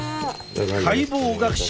解剖学者